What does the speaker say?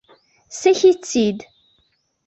Ssakit-tt-id.